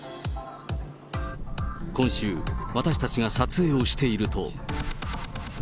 今週、私たちが撮影をしていると。